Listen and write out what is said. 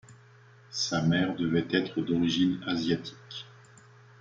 Sa mère devait être d'origine asiatique.